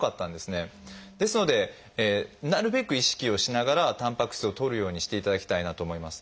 ですのでなるべく意識をしながらたんぱく質をとるようにしていただきたいなと思います。